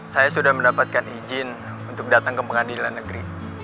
saya sudah mendapatkan izin untuk datang ke pengadilan negeri